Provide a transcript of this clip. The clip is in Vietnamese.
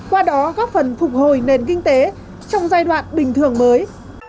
qua đó góp phần phục hồi nền kinh tế trong giai đoạn bình thường mới